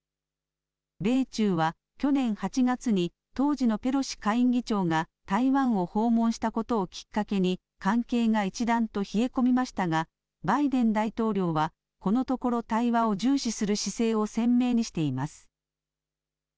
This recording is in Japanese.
米中は、去年８月に当時のペロシ下院議長が台湾を訪問したことをきっかけに関係が一段と冷え込みましたがバイデン大統領はこのところ対話を重視する姿勢を鮮明にしています。